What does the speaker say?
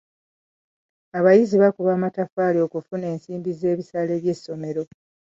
Abayizi bakuba amataffaali okufuna ensimbi z'ebisale by'essomero.